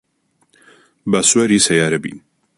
با سواری سەیارە بین.